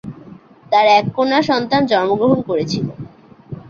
তার এক কন্যা সন্তান জন্মগ্রহণ করেছিল।